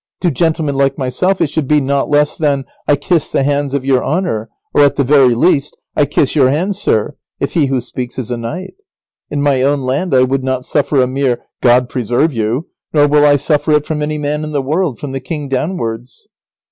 To gentlemen like myself, it should be not less than 'I kiss the hands of your honour!' or at the very least, 'I kiss your hand, sir!' if he who speaks is a knight. In my own land I would not suffer a mere 'God preserve you,' nor will I suffer it from any man in the world, from the king downwards."